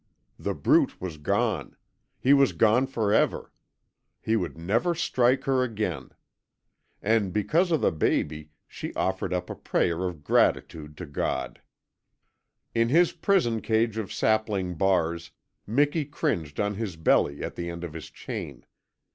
The Brute was gone. He was gone for ever. He would never strike her again. And because of the baby she offered up a prayer of gratitude to God. In his prison cage of sapling bars Miki cringed on his belly at the end of his chain.